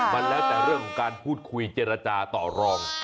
มันแล้วแต่เรื่องของการพูดคุยเจรจาต่อรอง